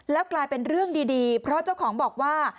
แล้วกลายเป็นเรื่องดีเพราะเจ้าของบอกว่า